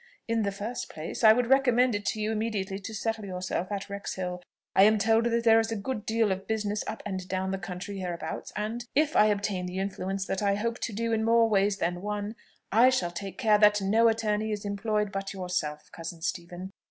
In the first place, I would recommend it to you, immediately to settle yourself at Wrexhill: I am told that there is a good deal of business up and down the country hereabouts; and, if I obtain the influence that I hope to do in more ways than one, I shall take care that no attorney is employed but yourself, cousin Stephen.